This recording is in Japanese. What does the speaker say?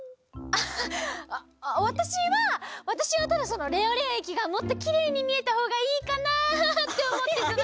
あっわたしはわたしはただそのレオレオえきがもっときれいにみえたほうがいいかなっておもってたの。